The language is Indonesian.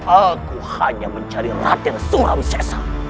aku hanya mencari raden surawisesa